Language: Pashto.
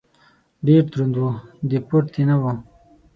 ډېر دروند و . د پورتې نه و.